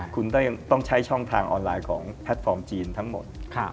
คุณต้องใช้ช่องทางออนไลน์ของแพลตฟอร์มจีนทั้งหมด